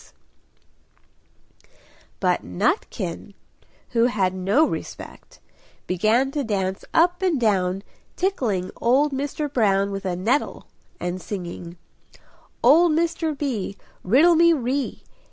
But Nutkin, who had no respect, began to dance up and down, tickling old Mr. Brown with a nettle and singing "Old Mr. B! Riddle me ree!